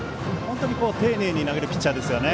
丁寧に投げるピッチャーですね。